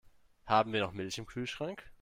Haben wir noch Milch im Kühlschrank?